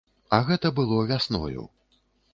А гэта было вясною.